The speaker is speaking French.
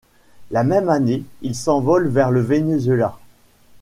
La même année, il s’envole vers le Venezuela.